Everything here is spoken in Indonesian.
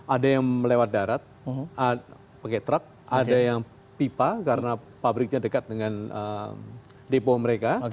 ada yang melewat darat pakai truk ada yang pipa karena pabriknya dekat dengan depo mereka